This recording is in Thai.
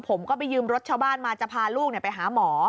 ผมก็ไปยืมรถชาวบ้านมาจะพาลูกไปหาหมอ